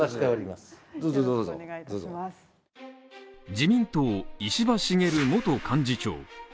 自民党・石破茂元幹事長。